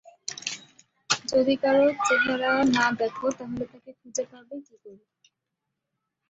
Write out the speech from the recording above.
যদি কারো চেহারায় না দেখো, তাহলে তাকে খুঁজে পাবে কী করে।